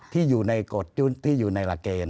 ที่อยู่ในกฎที่อยู่ในหลักเกณฑ์